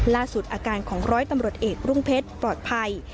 อาการของร้อยตำรวจเอกรุ่งเพชรปลอดภัย